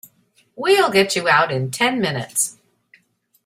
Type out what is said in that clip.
We'll get you out in ten minutes.